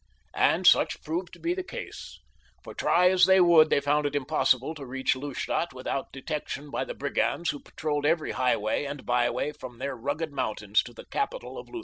And such proved to be the case, for try as they would they found it impossible to reach Lustadt without detection by the brigands who patrolled every highway and byway from their rugged mountains to the capital of Lutha.